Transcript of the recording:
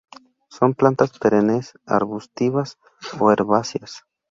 Son plantas perennes, arbustivas o herbáceas.